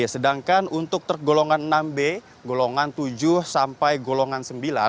sedangkan untuk truk golongan enam b golongan tujuh sampai golongan sembilan